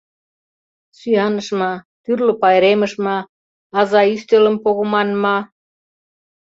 Сӱаныш ма, тӱрлӧ пайремыш ма, аза ӱстелым погымын! ма...